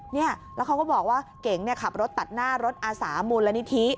เนี่ยแล้วเขาก็บอกว่าเก๋งขับรถตัดหน้ารถอาสามูลนิธิ